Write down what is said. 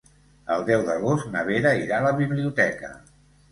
El deu d'agost na Vera irà a la biblioteca.